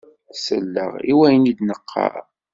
Sel-aɣ i wayen i d-neqqaṛ!